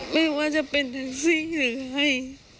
ไม่ว่าจะเป็นสิ่งหรือให้